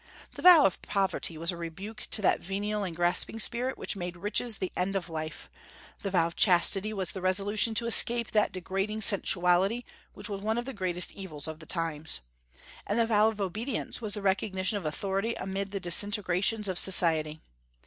The vow of poverty was a rebuke to that venal and grasping spirit which made riches the end of life; the vow of chastity was the resolution to escape that degrading sensuality which was one of the greatest evils of the times; and the vow of obedience was the recognition of authority amid the disintegrations of society.